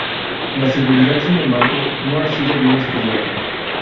La seguridad, sin embargo, no ha sido bien estudiada.